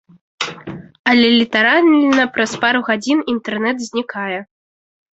Але літаральна праз пару гадзін інтэрнэт знікае.